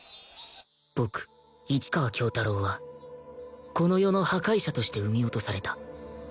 僕市川京太郎はこの世の破壊者として産み落とされた